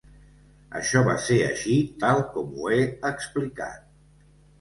Això va ser així tal com ho he explicat.